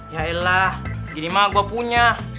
yaelah gini mah gua punya